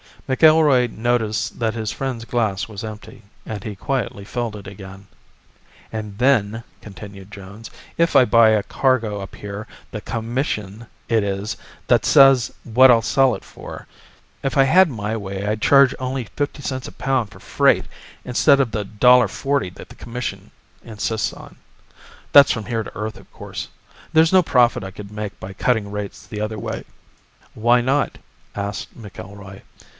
McIlroy noticed that his friend's glass was empty, and he quietly filled it again. "And then," continued Jones, "if I buy a cargo up here, the Commission it is that says what I'll sell it for. If I had my way, I'd charge only fifty cents a pound for freight instead of the dollar forty that the Commission insists on. That's from here to Earth, of course. There's no profit I could make by cutting rates the other way." "Why not?" asked McIlroy.